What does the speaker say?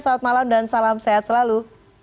selamat malam dan salam sehat selalu